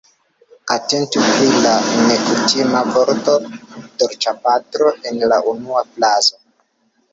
Atentu pri la nekutima vorto dolĉapatro en la unua frazo.